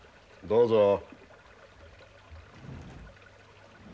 どうぞ。